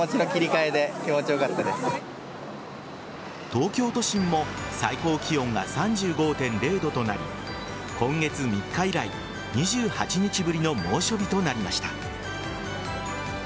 東京都心も最高気温が３５．０度となり今月３日以来２８日ぶりの猛暑日となりました。